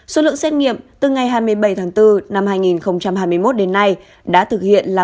số lượng xét nghiệm từ ngày hai mươi bảy tháng bốn năm hai nghìn hai mươi một đến nay đã thực hiện là một mươi ba hai trăm năm mươi năm